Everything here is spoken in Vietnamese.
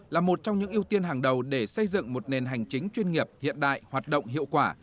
là một trong những ưu tiên hàng đầu để xây dựng một nền hành chính chuyên nghiệp hiện đại hoạt động hiệu quả